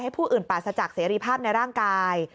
ผู้อื่นปราศจากเสรีภาพในร่างกาย